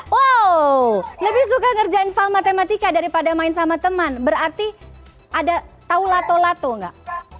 wow lebih suka ngerjain file matematika daripada main sama teman berarti ada tau lato lato nggak